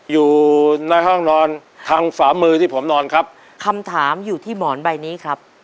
อยู่ในห้องนอนทางฝ่ามือที่ผมนอนครับคำถามอยู่ที่หมอนใบนี้ครับ